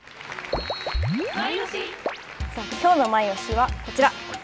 さあ、きょうのマイオシはこちら。